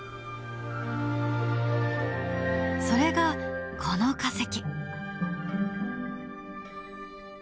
それがこの化石。